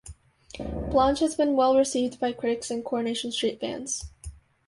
Blanche has been well received by critics and "Coronation Street" fans.